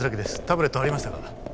タブレットありましたか？